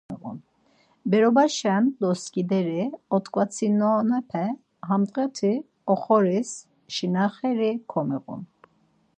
Berobaşen doskideri ot̆k̆vatsinonepe amdğati oxoris şinaxeri komiğun.